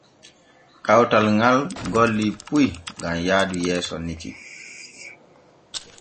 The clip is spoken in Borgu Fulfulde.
Kawtal ŋal golli puy gam yaadu yeeso nikki.